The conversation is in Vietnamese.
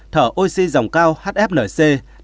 thở oxy dòng cao hfnc tám trăm ba mươi bảy